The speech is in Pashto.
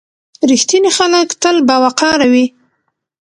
• رښتیني خلک تل باوقاره وي.